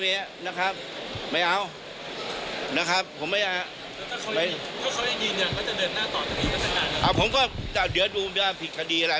ผิดถ้าผิดกฎหมายเดี๋ยวผมก็ทำเรื่องการสงบกฎหมาย